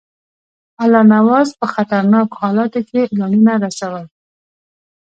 الله نواز په خطرناکو حالاتو کې اعلانونه رسول.